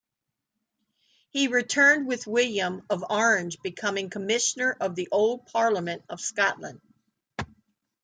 He returned with William of Orange, becoming Commissioner of the old Parliament of Scotland.